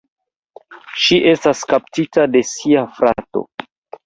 Ŝi estas kaptita de sia frato.